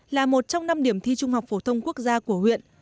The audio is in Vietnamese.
là một trong năm điểm thi trung học phổ thông quốc gia của huyện